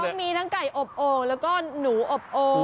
มันมีทั้งไก่อบโอ่งแล้วก็หนูอบโอ